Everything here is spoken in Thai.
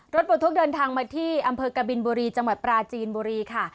รถบรรทุกเดินทางมาที่อำเภอกบินบุรีจังหวัดปราจีนบุรีค่ะ